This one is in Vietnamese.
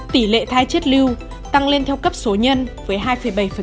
tỷ lệ thai chết lưu tăng lên theo cấp số nhân với hai bảy